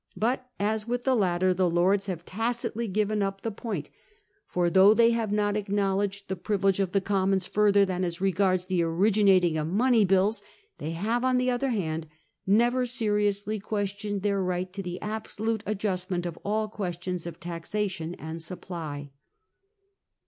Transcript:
But, as with the latter, the Lords have tacitly given up the point ; for, though they have not acknowledged the privilege of the Commons further than as regards the originating of money bills, they have, on the other hand, never seriously questioned their right to the absolute adjustment of all questions of taxation and supply.